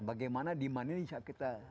bagaimana demand ini kita